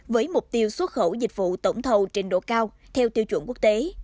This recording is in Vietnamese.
với mục tiêu xuất khẩu dịch vụ tổng thầu trên độ cao theo tiêu chuẩn quốc tế